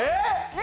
何？